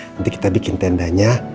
nanti kita bikin tendanya